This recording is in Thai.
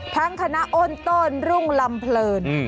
ทั้งคณะอ้นต้นรุ่งลำเพลิน